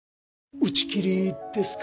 打ち切りですか？